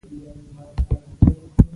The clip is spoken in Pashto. زخم بلوم د چا خیالونو ته ماښام راغلي